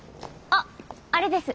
あっあれです